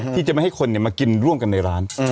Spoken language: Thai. ที่จะไม่ให้คนมากินร่วมกันในร้าน